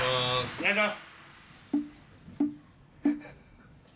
お願いします。